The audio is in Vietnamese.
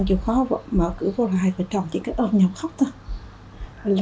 đó là mở cửa của hai vợ chồng chỉ có ôm nhau khóc thôi